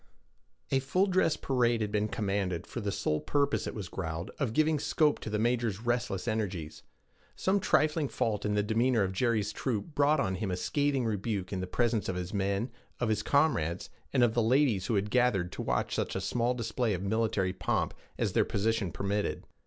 A full dress parade had been commanded, for the sole purpose, it was growled, of giving scope to the major's restless energies. Some trifling fault in the demeanor of Jerry's troop brought on him a scathing rebuke in the presence of his men, of his comrades, and of the ladies who had gathered to watch such small display of military pomp as their position permitted.